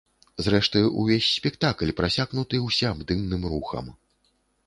Зрэшты, увесь спектакль прасякнуты ўсеабдымным рухам.